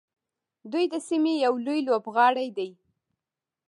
دوی د سیمې یو لوی لوبغاړی دی.